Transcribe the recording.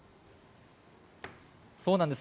そうなんです。